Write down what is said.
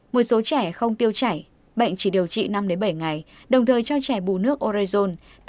một số trẻ không tiêu chảy bệnh chỉ điều trị năm bảy ngày đồng thời cho trẻ bù nước orezon